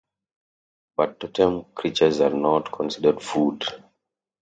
Bird totem creatures are not considered food.